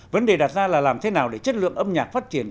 vấn đề đặt ra là làm thế nào để chất lượng âm nhạc phát triển